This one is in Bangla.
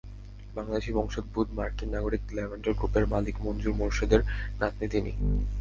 বাংলাদেশি বংশোদ্ভূত মার্কিন নাগরিক ল্যাভেন্ডার গ্রুপের মালিক মনজুর মোরশেদের নাতনি তিনি।